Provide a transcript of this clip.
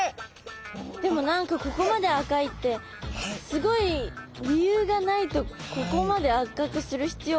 でも何かここまで赤いってすごい理由がないとここまで赤くする必要あります？って。